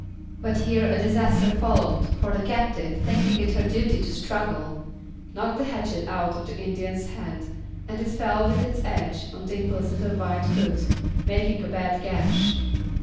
But here a disaster followed, for the captive, thinking it her duty to struggle, knocked the hatchet out of the Indian's hand, and it fell with its edge on Dimple's little white foot, making a bad gash.